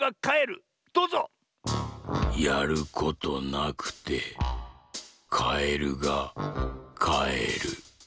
「やることなくてカエルがかえる」。